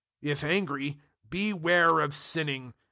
004:026 If angry, beware of sinning.